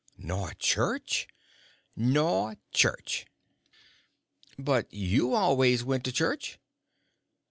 "Nor church?" "Nor church." "But you always went to church."